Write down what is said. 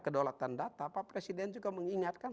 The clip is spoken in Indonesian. kedaulatan data pak presiden juga mengingatkan